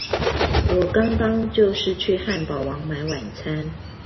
我剛剛就是去漢堡王買晚餐